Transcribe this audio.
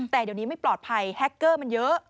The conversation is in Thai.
แต่เดี๋ยวนี้ไม่ปลอดภัยแฮคเกอร์มันเยอะ